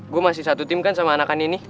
gue masih satu tim kan sama anak anak ini